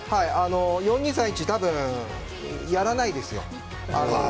４−２−３−１、たぶんやらないですよ。